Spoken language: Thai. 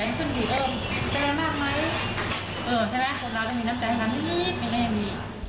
เอ่อใช่ไหมคนเราจะมีน้ำใจครั้งนี้ไม่ง่ายมี